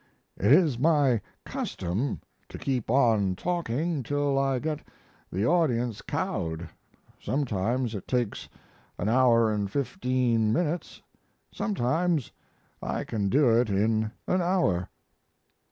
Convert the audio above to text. It is my custom to keep on talking till I get the audience cowed. Sometimes it takes an hour and fifteen minutes, sometimes I can do it in an hour.